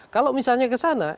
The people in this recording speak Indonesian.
kalau misalnya ke sana